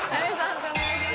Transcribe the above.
判定お願いします。